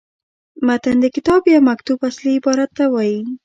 متن د کتاب یا مکتوت اصلي عبارت ته وايي.